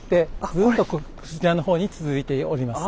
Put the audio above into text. ずっとこちらの方に続いております。